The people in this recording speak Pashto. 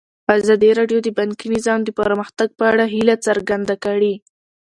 ازادي راډیو د بانکي نظام د پرمختګ په اړه هیله څرګنده کړې.